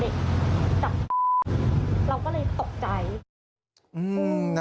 ช่วยตัวเองคือเด็กจับเราก็เลยตกใจ